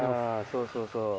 そうそうそう。